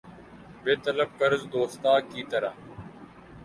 بے طلب قرض دوستاں کی طرح